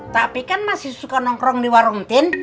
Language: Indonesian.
tapi kan masih suka nongkrong di warung tin